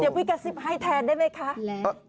พี่กระซิบให้แทนได้ไหมคะ